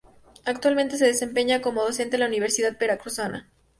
Actualmente se desempeña como docente en la Universidad Veracruzana.